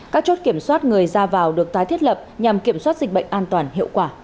các chốt kiểm soát người ra vào được tái thiết lập nhằm kiểm soát dịch bệnh an toàn hiệu quả